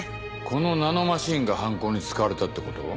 このナノマシンが犯行に使われたってこと？